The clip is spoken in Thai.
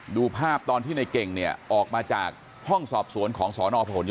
ดูภาพตอนที่ในเก่งเนี่ยออกมาจากห้องสอบสวนของสนพย